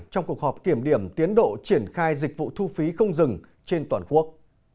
trong cuộc họp kiểm điểm tiến độ triển khai dịch vụ thu phí không dừng trên toàn quốc